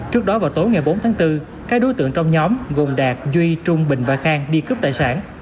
trước đó vào tối ngày bốn tháng bốn các đối tượng trong nhóm gồm đạt duy trung bình và khang đi cướp tài sản